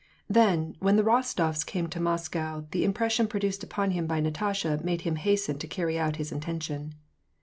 Then, when the Bostofs came to Moscow the im pression produced upon him by Natasha made him hasten to cjirry out his intention.